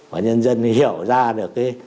và nhân dân hiểu ra được